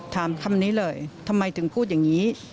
ถามคำนี้เลยทำไมถึงพูดอย่างนี้